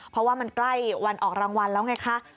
เพราะว่ามันใกล้วันออกรางวัลแล้วไงคะ